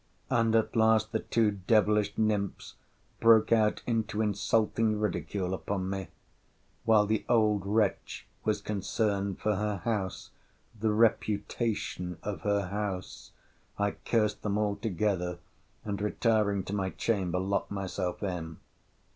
And at last, the two devilish nymphs broke out into insulting ridicule upon me; while the old wretch was concerned for her house, the reputation of her house. I cursed them all together; and, retiring to my chamber, locked myself in.